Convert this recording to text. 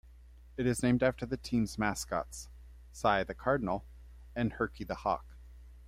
It is named after the teams' mascots, Cy the Cardinal and Herky the Hawk.